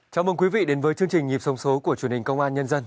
chào mừng quý vị đến với chương trình nhịp sông số của truyền hình công an nhân dân